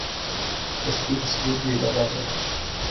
اس کی تصویر بھی لگا دو